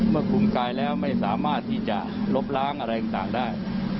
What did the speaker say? กลุ่มกายแล้วไม่สามารถที่จะลบล้างอะไรต่างได้